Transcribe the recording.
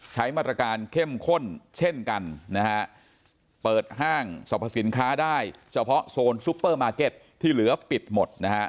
ใช้มาตรการเข้มข้นเช่นกันนะฮะเปิดห้างสรรพสินค้าได้เฉพาะโซนซุปเปอร์มาร์เก็ตที่เหลือปิดหมดนะฮะ